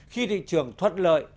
khi thị trường thuận lợi